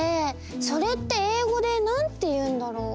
それって英語でなんて言うんだろう。